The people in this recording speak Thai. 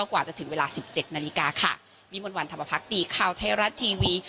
กว่าจะถึงเวลาสิบเจ็ดนาฬิกาค่ะวิมวลวันธรรมพักดีข่าวไทยรัฐทีวี